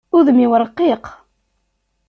Udem-iw ṛqiq.